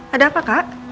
ada apa kak